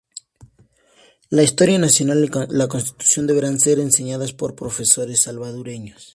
La historia nacional y la Constitución deberán ser enseñadas por profesores salvadoreños.